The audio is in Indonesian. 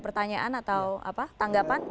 pertanyaan atau tanggapan